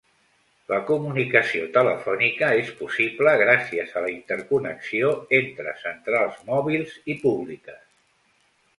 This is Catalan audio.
La comunicació telefònica és possible gràcies a la interconnexió entre centrals mòbils i públiques.